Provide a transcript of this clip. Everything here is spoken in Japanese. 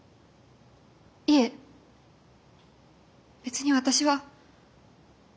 いえ別に私は。